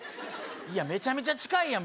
めちゃめちゃ近いやん。